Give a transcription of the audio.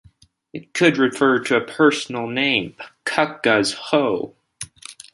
It could refer to a personal name - Cucga's Hoe.